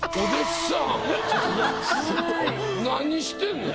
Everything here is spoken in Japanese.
何してんの？